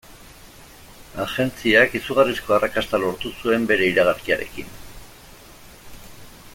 Agentziak izugarrizko arrakasta lortu zuen bere iragarkiarekin.